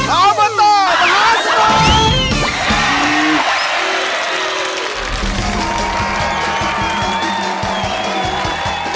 ออเบอตเตอร์มหาสนุก